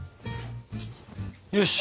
よし！